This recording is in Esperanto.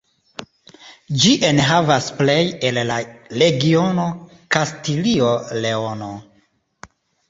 Ĝi enhavas plej el la regiono Kastilio-Leono.